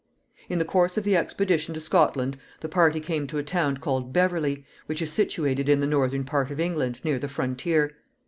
In the course of the expedition to Scotland the party came to a town called Beverley, which is situated in the northern part of England, near the frontier.